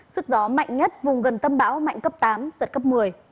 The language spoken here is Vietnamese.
sức gió mạnh nhất vùng gần tâm bão mạnh cấp tám giật cấp một mươi